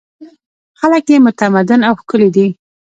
خلک یې متمدن او ښکلي دي.